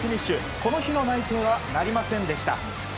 この日の内定はなりませんでした。